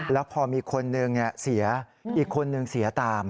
แล้วพอมีคนหนึ่งเสียอีกคนนึงเสียตาม